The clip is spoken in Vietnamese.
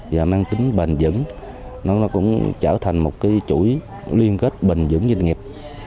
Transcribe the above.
nó cũng bền vững nó cũng trở thành một cái chuỗi liên kết bền vững doanh nghiệp